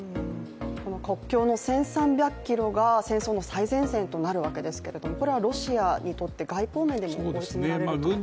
国境の１３００ｋｍが戦争の最前線となるわけですけれどもこれはロシアにとっては外交面でも追い詰められることになるんでしょうか。